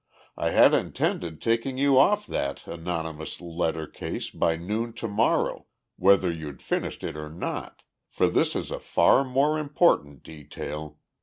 "I had intended taking you off that anonymous letter case by noon to morrow, whether you'd finished it or not, for this is a far more important detail.